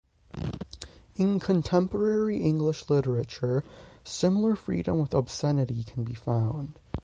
In contemporary English literature similar freedom with obscenity can be found.